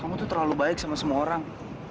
kamu tuh terlalu baik sama semua orang